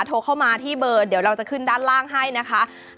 โทรเข้ามาที่เบอร์เดี๋ยวเราจะขึ้นด้านล่างให้นะคะ